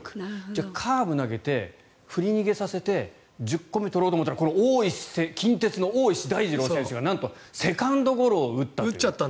じゃあカーブ投げて振り逃げさせて１０個目、取ろうと思ったら近鉄の大石大二郎選手がなんとセカンドゴロを打ったという。